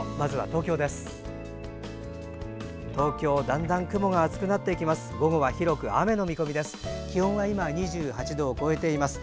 東京、だんだん雲が厚くなっていきます。